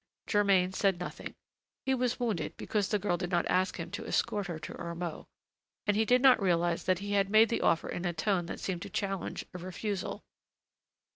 Germain said nothing. He was wounded because the girl did not ask him to escort her to Ormeaux, and he did not realize that he had made the offer in a tone that seemed to challenge a refusal.